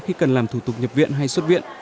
khi cần làm thủ tục nhập viện hay xuất viện